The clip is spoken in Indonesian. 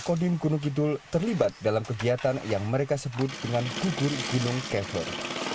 kodim gunung kidul terlibat dalam kegiatan yang mereka sebut dengan kubur gunung kever